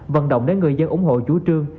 vận động đến người dân ủng hộ chú trương